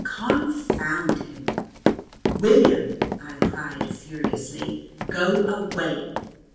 Confound him. "William," I cried furiously, "go away."